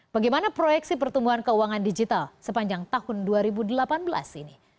bagaimana proyeksi pertumbuhan keuangan digital sepanjang tahun dua ribu delapan belas ini